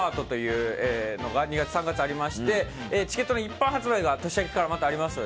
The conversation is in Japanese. ２月、３月にありましてチケットの一般発売が年明けからまたありますので。